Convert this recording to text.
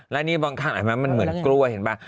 แล้วนี่ข้างหลังมันเหมือนกล้วยเห็นไหม